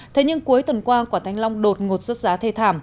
thế nhưng cuối tuần qua quả thanh long đột ngột rớt giá thê thảm